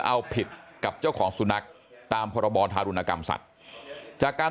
เอาผิดกับเจ้าของสุนัขตามพรบธารุณกรรมสัตว์จากการ